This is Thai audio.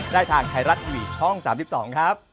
ได้ทางไทรัตวิทย์ช่อง๓๒ครับ